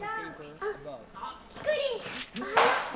あっキクリンおはよ！